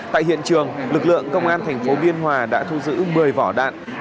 tại hiện trường lực lượng công an thành phố biên hòa đã thu giữ một mươi vỏ đạn